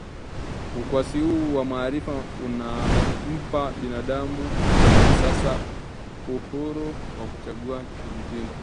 Ukwasi huu wa maarifa unampa binadamu wa sasa uhuru wa kuchagua mitindo